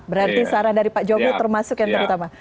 berarti saran dari pak jokowi termasuk yang terutama